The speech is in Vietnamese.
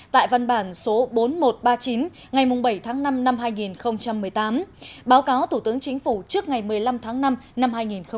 tại văn bản số bốn nghìn một trăm ba mươi chín ngày bảy tháng năm năm hai nghìn một mươi tám báo cáo thủ tướng chính phủ trước ngày một mươi năm tháng năm năm hai nghìn một mươi chín